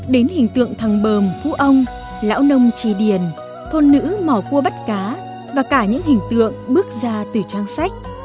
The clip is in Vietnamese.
đến hình tượng thăng bềm phú ông lão nông trì điền thôn nữ mò cua bắt cá và cả những hình tượng bước ra từ trang sách